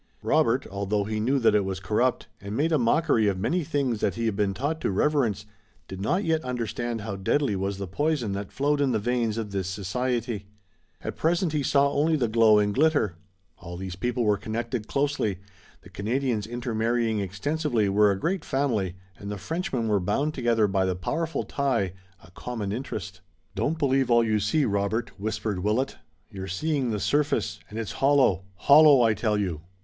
Robert, although he knew that it was corrupt and made a mockery of many things that he had been taught to reverence, did not yet understand how deadly was the poison that flowed in the veins of this society. At present, he saw only the glow and the glitter. All these people were connected closely. The Canadians intermarrying extensively were a great family, and the Frenchmen were bound together by the powerful tie, a common interest. "Don't believe all you see, Robert," whispered Willet. "You're seeing the surface, and it's hollow, hollow! I tell you!"